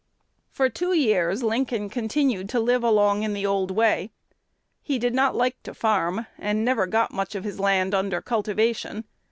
For two years Lincoln continued to live along in the old way. He did not like to farm, and he never got much of his land under cultivation.